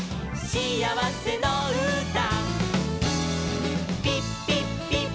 しあわせのうた」